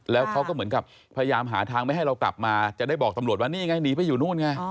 แล้วเขาก็เหมือนกับพยายามหาทางไม่ให้เรากลับมาจะได้บอกตำรวจว่านี่ไงหนีไปอยู่นู่นไง